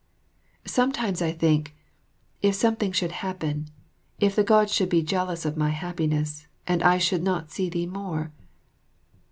Sometimes I think, "If something should happen; if the Gods should be jealous of my happiness and I should not see thee more?"